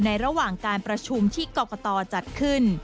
ระหว่างการประชุมที่กรกตจัดขึ้น